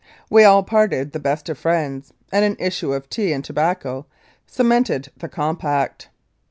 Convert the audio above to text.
We all parted the best of friends, arid an issue of tea and tobacco cemented the compact.